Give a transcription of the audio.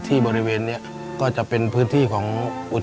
ในแคมเปญพิเศษเกมต่อชีวิตโรงเรียนของหนู